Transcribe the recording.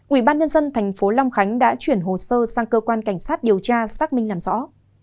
ủy ban nhân dân tp long khánh đã chuyển hồ sơ sang cơ quan cảnh sát điều tra xác minh làm rõ